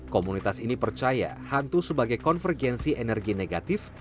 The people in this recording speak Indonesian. komunitas ini percaya hantu sebagai konvergensi energi negatif